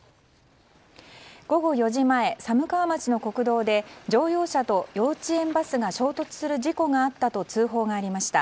午後４時前、寒川町の国道で乗用車と幼稚園バスが衝突する事故があったと通報がありました。